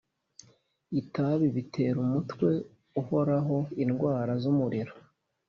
itabi bitera umutwe uhoraho indwara zumuriro